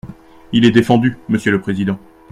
Il est défendu, monsieur le président.